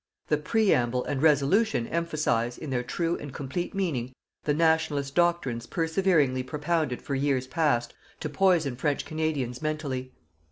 The "Preamble" and "Resolution" emphasize, in their true and complete meaning, the "Nationalist" doctrines perseveringly propounded for years past to poison French Canadian mentally.